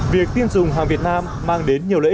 việc tiêm dùng hàng việt nam mang đến nhiều lợi